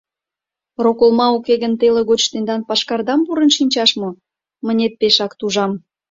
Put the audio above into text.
Роколма уке гын, теле гоч тендан пашкардам пурын шинчаш мо? — мынет пешак тужам.